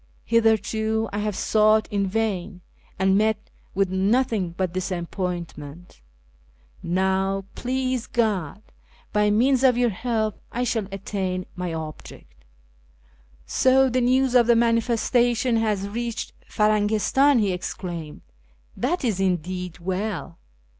Hitherto I have sought in vain, and met with nothing but disappointment. Now, please God, by means of your help I shall attain my object." " So the news of the ' Manifestation ' has reached Firangistau !" he exclaimed. " That is indeed well